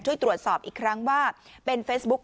ช่วยตรวจสอบอีกครั้งว่าเป็นเฟซบุ๊ค